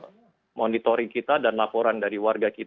dan dari hasil monitoring kita dan laporan kita kita tidak ada korban jiwa